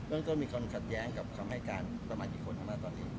ต้นมีคนขัดแย้งกับคำให้การประมาณกี่คนข้างมากตอนนี้